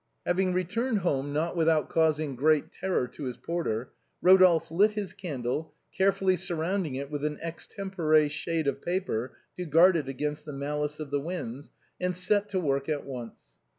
Having returned home not without causing great terror to his porter, Eodolphe lit his candle, carefully surround ing it with an extempore shade of paper to guard it against the malice of the winds, and set to work at once.